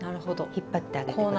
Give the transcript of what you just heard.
引っ張ってあげて下さい。